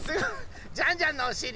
ジャンジャンのおしり。